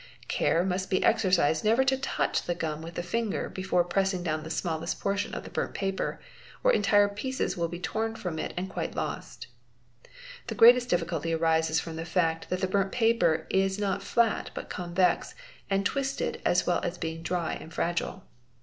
Care must be sxercised never to touch the gum with the finger before pressing down 'the smallest portion of burnt paper or entire pieces will be torn from it SiS ALY ABOLISH, RANEY STATS = 2 nd quite lost. The greatest difficulty arises from the fact that the burnt paper is not flat but convex and twisted as well as being dry and | fre gile.